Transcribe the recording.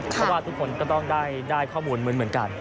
เพราะว่าทุกคนก็ต้องได้ข้อมูลเหมือนกัน